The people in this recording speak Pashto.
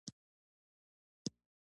ایا ستاسو تولیدات معیاري دي؟